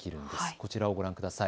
こちらをご覧ください。